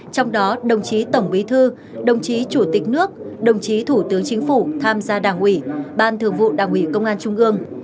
trong đó đồng chí tổng bí thư đồng chí chủ tịch nước đồng chí thủ tướng chính phủ tham gia đảng ủy ban thường vụ đảng ủy công an trung ương